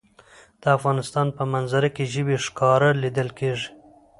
د افغانستان په منظره کې ژبې ښکاره لیدل کېږي.